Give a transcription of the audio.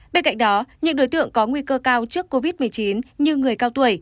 bên cạnh đó những đối tượng có nguy cơ cao trước covid một mươi chín như người cao tuổi